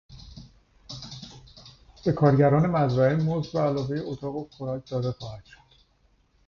به کارگران مزرعه مزد به علاوهی اتاق و خوراک داده خواهد شد.